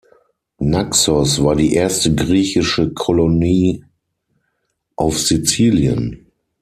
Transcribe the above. Naxos war die erste griechische Kolonie auf Sizilien.